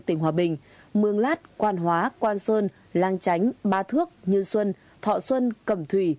tỉnh hòa bình mương lát quan hóa quan sơn lang chánh ba thước nhân xuân thọ xuân cẩm thủy